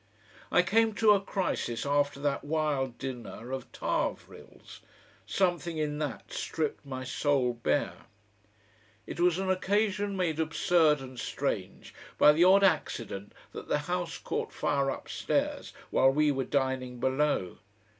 I came to a crisis after that wild dinner of Tarvrille's. Something in that stripped my soul bare. It was an occasion made absurd and strange by the odd accident that the house caught fire upstairs while we were dining below.